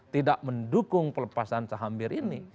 tidak mendukung pelepasan saham bir ini